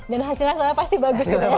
dan hasilnya soalnya pasti bagus